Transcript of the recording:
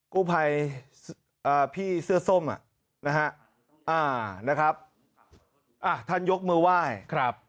กู้ภัยพี่เสื้อส้มนะครับท่านยกมือไหว้